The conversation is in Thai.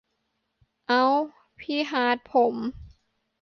เอ้า พี่ฮาร์ทผม